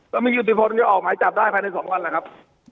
มันมีอยู่ติภาพมันจะออกหมายจับได้ภายใน๒วันแหละครับ